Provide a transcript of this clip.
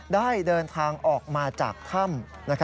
ได้เดินทางออกมาจากถ้ำ